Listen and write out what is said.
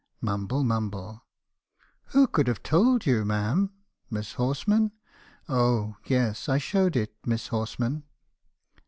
"Mumble, mumble. "' Who could have told you , ma'am? Miss Horsman. Oh yes , I showed it Miss Horsman.'